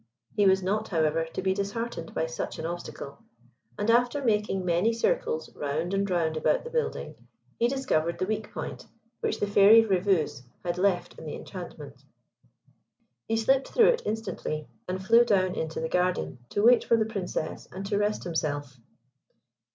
He was not, however, to be disheartened by such an obstacle, and after making many circles round and round about the building, he discovered the weak point which the Fairy Rèveuse had left in the enchantment. He slipped through it instantly, and flew down into the garden to wait for the Princess and to rest himself.